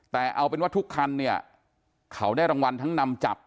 แต่เอาเป็นว่าทุกคันเนี่ยเขาได้รางวัลทั้งนำจับ